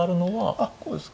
あっこうですか？